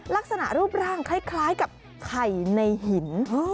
ลักษณะรูปร่างคล้ายกับไข่ในหิน